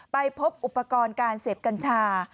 ไปพบอุปกรณ์การเสพกัญชา